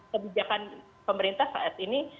kebijakan pemerintah saat ini